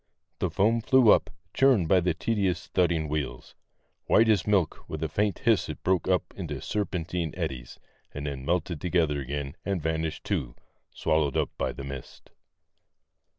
The foam flew up, churned by the tediously thudding wheels ; white as milk, with a faint hiss it broke up into serpentine eddies, and then melted together again and vanished too, swallowed up by the mist.